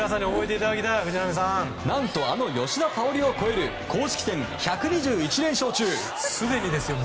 何と、あの吉田沙保里を超える公式戦１２１連勝中。